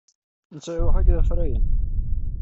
Netta iruḥ akk d afrayen.